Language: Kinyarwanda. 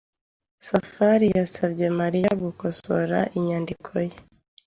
Safari yasabye Mariya gukosora inyandiko ye.